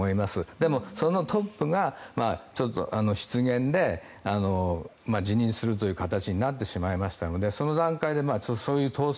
でも、そのトップが失言で辞任するという形になってしまいましたのでその段階でそういう統制